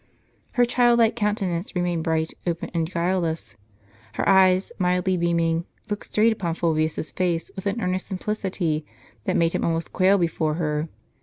Her childlike countenance remained bright, open, and guile less ; her eyes, mildly beaming, looked straight upon Fulvius's face with an earnest simplicity, that made him almost quail before her.